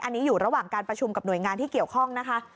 อันนี้อยู่ระหว่างการประชุมกับหน่วยงานที่เกี่ยวข้องนะคะ